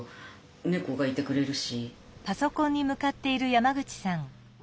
猫がいてくれるし。